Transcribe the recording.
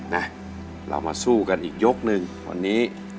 นะเรามาสู้กันอีกยกหนึ่งวันนี้